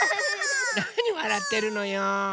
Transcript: なにわらってるのよ。